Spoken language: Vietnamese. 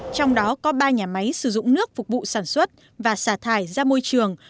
trong đó có ba nhà máy sử dụng nước phục vụ sản xuất và xả thải ra môi trường